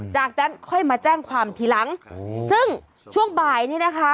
จากนั้นค่อยมาแจ้งความทีหลังซึ่งช่วงบ่ายนี่นะคะ